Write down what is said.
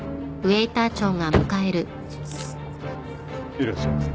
いらっしゃいませ。